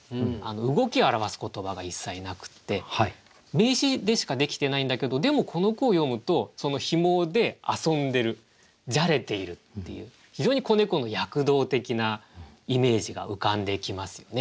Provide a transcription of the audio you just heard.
動きを表す言葉が一切なくて名詞でしかできてないんだけどでもこの句を読むとそのひもで遊んでるじゃれているっていう非常に子猫の躍動的なイメージが浮かんできますよね。